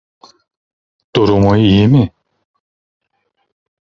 Durumu iyi mi?